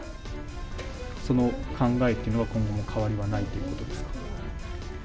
その考えというのは、今後も変わりはないということですか。